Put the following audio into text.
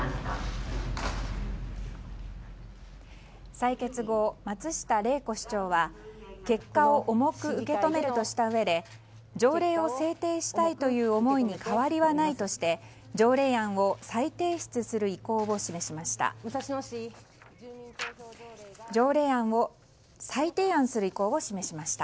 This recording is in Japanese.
採決後、松下玲子市長は結果を重く受け止めるとしたうえで条例を制定したいという思いに変わりはないとして条例案を再提案する意向を示しました。